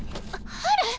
ハル！